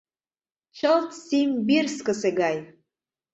— Чылт Симбирскысе гай!